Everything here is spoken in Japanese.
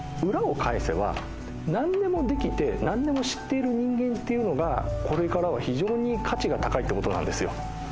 裏を返せば何でもできて何でも知っている人間っていうのがこれからは非常に価値が高いってことなんですよ。